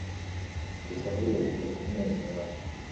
Gusa ntiwibagirwe kumwenyura